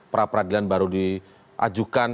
pra peradilan baru diajukan